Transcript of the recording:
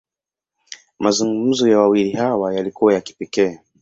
Mazungumzo ya wawili hawa, yalikuwa ya kipekee.